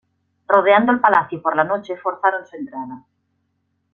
Rodeando el palacio por la noche, forzaron su entrada.